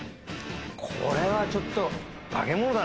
これはちょっと。